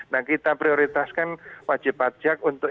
nah kita prioritaskan wajib pajak untuk